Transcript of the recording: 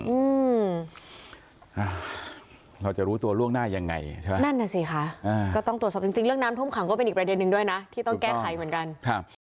อืมอ่าเราจะรู้ตัวล่วงหน้ายังไงใช่ไหมนั่นน่ะสิคะอ่าก็ต้องตรวจสอบจริงจริงเรื่องน้ำท่วมขังก็เป็นอีกประเด็นนึงด้วยนะที่ต้องแก้ไขเหมือนกันครับ